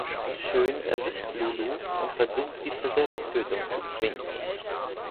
Schön erwischt Lulu und versucht, sie zur Selbsttötung zu zwingen.